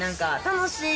楽しい。